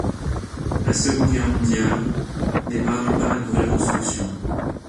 La Seconde Guerre mondiale n'épargne pas la nouvelle construction.